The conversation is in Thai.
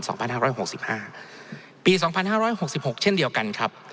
พันห้าร้อยหกสิบห้าปีสองพันห้าร้อยหกสิบหกเช่นเดียวกันครับ